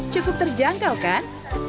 cukup terjangkau kan